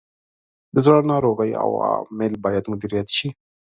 د زړه ناروغیو عوامل باید مدیریت شي.